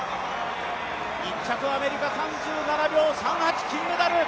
１着アメリカ３７秒３８、金メダル。